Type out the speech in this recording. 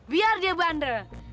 biar dia bandel